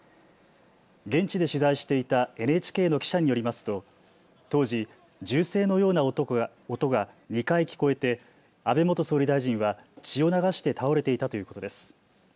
現地で取材していたＮＨＫの記者によりますと当時、銃声のような音が２回聞こえて安倍元総理大臣は血を流して倒れていたということです。